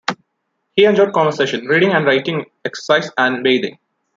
He enjoyed conversation, reading and writing, exercise, and bathing.